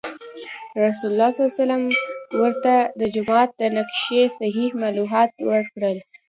رسول الله صلی الله علیه وسلم ورته د جومات د نقشې صحیح معلومات ورکړل.